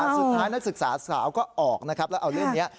นักศึกษาสาวก็ออกนะครับแล้วเอาเรื่องนี้